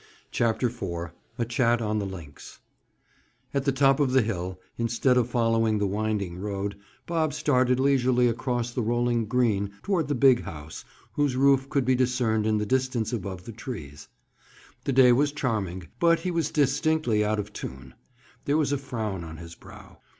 CHAPTER IV—A CHAT ON THE LINKS At the top of the hill, instead of following the winding road, Bob started leisurely across the rolling green toward the big house whose roof could be discerned in the distance above the trees. The day was charming, but he was distinctly out of tune. There was a frown on his brow.